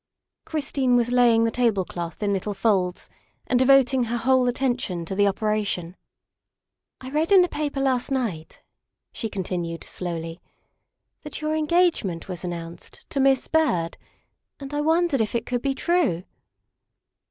Christine was laying the table cloth in little folds and devoting her whole attention to the operation. " I read in the paper last night," she continued slowly, " that your engagement was announced to Miss Byrd, and I wondered if it could be true."